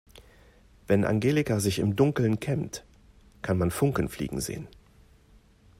Wenn Angelika sich im Dunkeln kämmt, kann man Funken fliegen sehen.